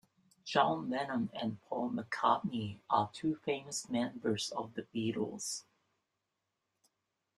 John Lennon and Paul McCartney are two famous members of the Beatles.